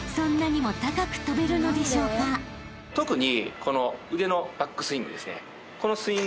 特に。